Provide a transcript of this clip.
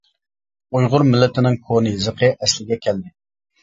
ئۇيغۇر مىللىتىنىڭ كونا يېزىقى ئەسلىگە كەلدى.